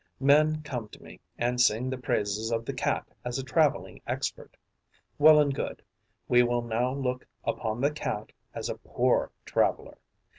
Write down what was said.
Men come to me and sing the praises of the Cat as a travelling expert. Well and good: we will now look upon the Cat as a poor traveller.